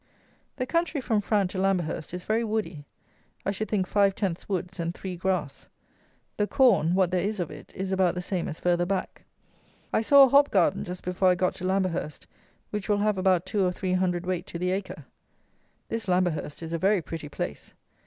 The country from Frant to Lamberhurst is very woody. I should think five tenths woods and three grass. The corn, what there is of it, is about the same as farther back. I saw a hop garden just before I got to Lamberhurst, which will have about two or three hundredweight to the acre. This Lamberhurst is a very pretty place.